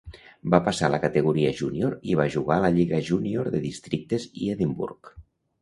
Va passar a la categoria júnior i va jugar a la Lliga Júnior de Districtes i Edimburg.